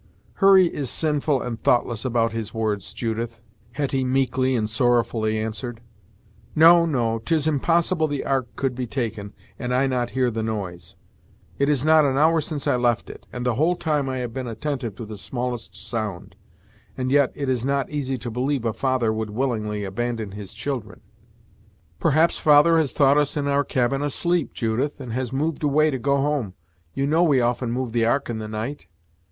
"Hurry is sinful and thoughtless about his words, Judith," Hetty meekly and sorrowfully answered. "No no; 'tis impossible the ark could be taken and I not hear the noise. It is not an hour since I left it, and the whole time I have been attentive to the smallest sound. And yet, it is not easy to believe a father would willingly abandon his children!" "Perhaps father has thought us in our cabin asleep, Judith, and has moved away to go home. You know we often move the ark in the night."